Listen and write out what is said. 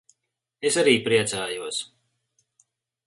Es arī priecājos.